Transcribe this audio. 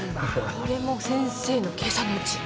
これも先生の計算のうち？